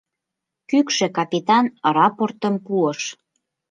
Кӱкшӧ капитан рапортым пуыш.